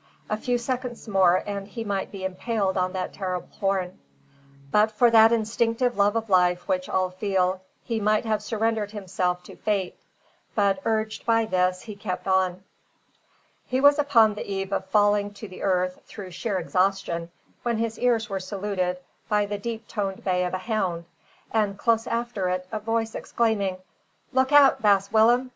A few seconds more, and he might be impaled on that terrible horn. But for that instinctive love of life which all feel, he might have surrendered himself to fate; but urged by this, he kept on. He was upon the eve of falling to the earth through sheer exhaustion, when his ears were saluted by the deep toned bay of a hound, and close after it a voice exclaiming "Look out, Baas Willem!